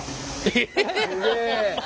ええ？